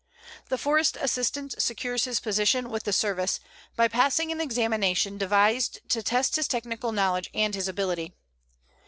The Forest Assistant secures his position with the Service by passing an examination devised to test his technical knowledge and his ability.